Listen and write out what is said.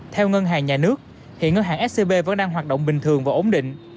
theo ngân hàng nhà nước hiện ngân hàng scb vẫn đang hoạt động bình thường và ổn định